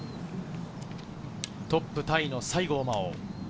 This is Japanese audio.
トップタイの西郷真央。